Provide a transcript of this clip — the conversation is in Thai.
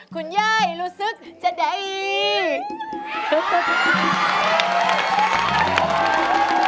คุณย่ายรู้สึกจะได้ดี